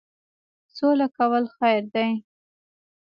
سوله کول خیر دی.